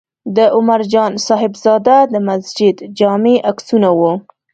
د عمر جان صاحبزاده د مسجد جامع عکسونه و.